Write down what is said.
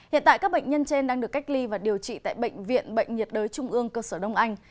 hiện tại các bệnh nhân trên đang được cách ly và điều trị tại bệnh viện bệnh nhiệt đới trung ương cơ sở đông anh